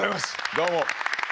どうも。